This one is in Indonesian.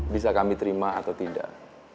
bisa kami terima atau tidak